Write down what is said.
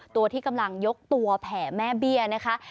ตัวที่กำลังยกตัวแผ่แม่เบี้ยนะคะ